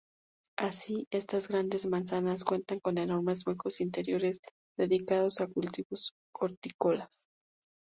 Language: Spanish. Así, estas grandes manzanas cuentan con enormes huecos interiores dedicados a cultivos hortícolas.